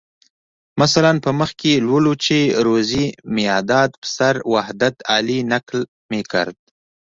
مثلاً په مخ کې لولو چې روزي میاداد پسر وحدت علي نقل میکرد.